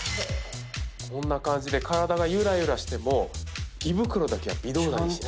こんな感じで体がゆらゆらしても胃袋だけは微動だにしない。